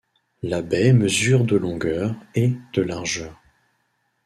La baie mesure de longueur et de largeur.